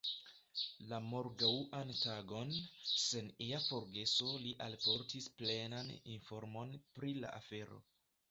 La morgaŭan tagon, sen ia forgeso, li alportis plenan informon pri la afero.